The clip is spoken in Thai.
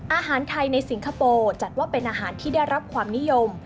อาหารไทยในสิงคโปร์จัดว่าเป็นอาหารที่ได้รับความนิยม